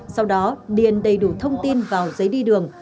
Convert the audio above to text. sau đó điền đầy đủ thông tin vào giấy đi đường